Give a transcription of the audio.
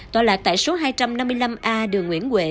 tòa lạc tại số hai trăm năm mươi năm a đường nguyễn huệ